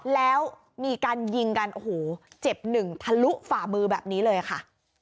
แล้วมีการยิงกันโอ้โหเจ็บหนึ่งทะลุฝ่ามือแบบนี้เลยค่ะ